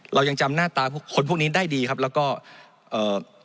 เรายังจำหน้าตาคนพวกนี้ได้ดีครับแล้วก็เอ่อ